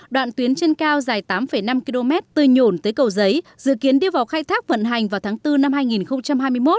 đoạn tuyến trên cao dài tám năm km tư nhổn tới cầu giấy dự kiến đi vào khai thác vận hành vào tháng bốn năm hai nghìn hai mươi một